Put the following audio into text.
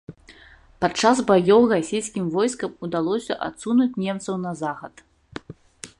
Падчас баёў расейскім войскам удалося адсунуць немцаў на захад.